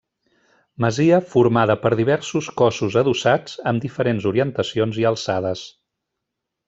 Masia formada per diversos cossos adossats, amb diferents orientacions i alçades.